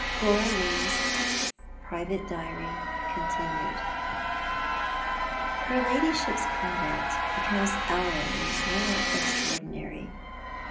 coralie"^ private diary continued. Her ladyship's conduct becomes hourly more e>;traordinary.